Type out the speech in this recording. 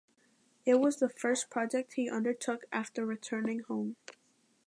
It was the first project he undertook after returning home.